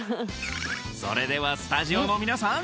それではスタジオの皆さん